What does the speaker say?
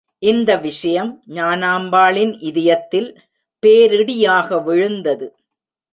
இந்த விஷயம் ஞானாம்பாளின் இதயத்தில் பேரிடியாக விழுந்தது.